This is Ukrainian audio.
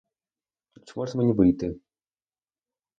А чи можна мені вийти?